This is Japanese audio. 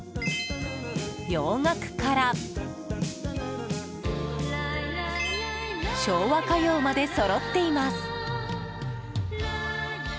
洋楽から昭和歌謡までそろっています。